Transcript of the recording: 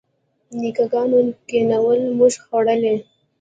نیکه ګانو کینولي موږ خوړلي.